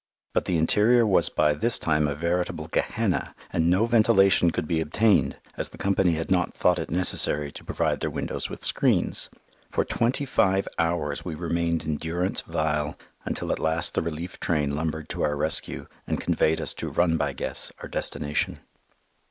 But the interior was by this time a veritable Gehenna, and no ventilation could be obtained, as the Company had not thought it necessary to provide their windows with screens. For twenty five hours we remained in durance vile, until at last the relief train lumbered to our rescue and conveyed us to Run by Guess, our destination.